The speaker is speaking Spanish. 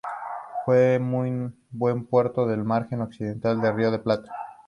Fue muy buen puerto de la margen occidental del Río de la Plata.